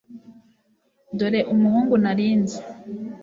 Dore Umuhungu Nari Nzi"